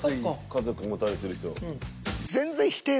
家族持たれてる人。